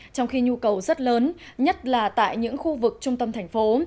trong khi nhu cầu rất lớn nhất là tại những khu vực trung tâm thành phố